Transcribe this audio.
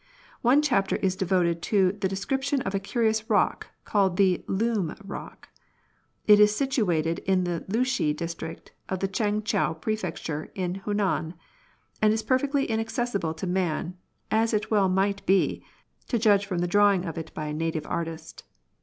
One chapter is devoted to the description of a curious rock called the Loom Rock. It is situated in the Luhsi district of the Chang chou prefecture in Hunan, and is perfectly inaccessible to man, as it well might be, to judge from the drawing of it by a native artist.